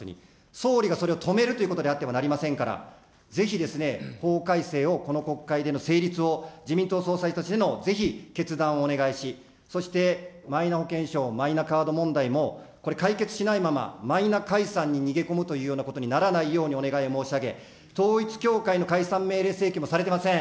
総理がそれを止めるということであってはなりませんから、ぜひですね、法改正をこの国会での成立を自民党総裁としてのぜひ決断をお願いし、そしてマイナ保険証、マイナカード問題も、これ、解決しないまま、マイナ解散に逃げ込むというようなことにならないようにお願いを申し上げ、統一教会の解散命令請求もされてません。